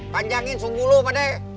panjangin sungguh lu pada